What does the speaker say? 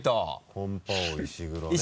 「コンパ王石黒ね」